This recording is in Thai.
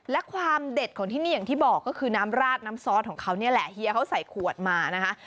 และความเด็ดของที่นี่อย่างที่บอกก็คือน้ำราดน้ำซอสของเขานี่แหละเฮียเขาใส่ขวดมานะคะ